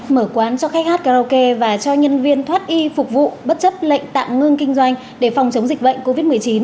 mở quán cho khách hát karaoke và cho nhân viên thoát y phục vụ bất chấp lệnh tạm ngưng kinh doanh để phòng chống dịch bệnh covid một mươi chín